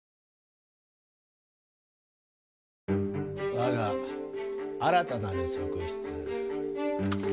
我が新たなる側室。